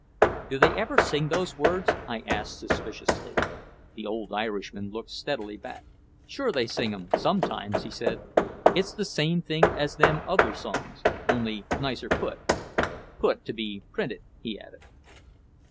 "Do they ever sing those words?" I asked suspiciously. The old Irishman looked steadily back. "Sure they sing 'em sometimes," he said. "It's the same thing as them other songs only nicer put. Put to be printed," he added.